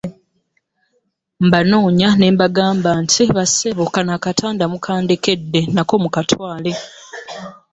Mbanoonya ne mbagamba nti bassebo kano akatanda mukandekedde nako mukatwale.